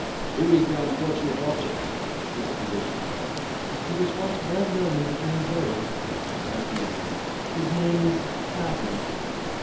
"Who is the unfortunate object?" said the physician. "He was once well known in the gay world," replied the young woman; "his name is Fathom."